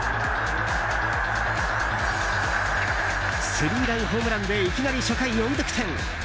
スリーランホームランでいきなり初回、４得点。